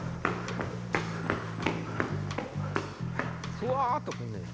ふわっと来んねや。